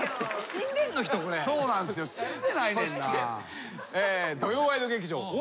死んでないねんな。